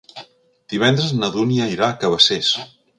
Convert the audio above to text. Divendres na Dúnia irà a Cabacés.